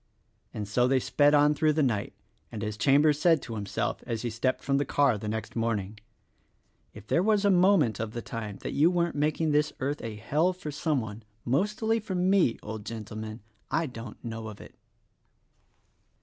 And so they sped on through the night; and, as Cham bers said to himself as he stepped from the car the next morning, "If there was a moment of the time that you weren't making this earth a hell for some one— mostly for me, old gentleman, I don't know of it."